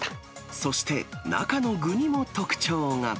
そして中の具にも特徴が。